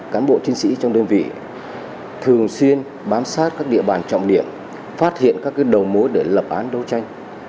cán bộ chiến sĩ trong đơn vị thường xuyên bám sát các địa bàn trọng điểm phát hiện các đầu mối để lập án đấu tranh